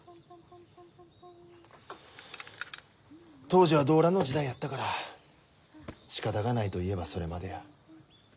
当時は動乱の時代やったから仕方がないといえばそれまでや。